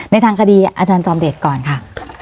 ในทางคดีอาจารย์จอมเดชก่อนค่ะ